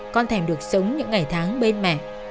con thèm được sống những ngày tháng bên mẹ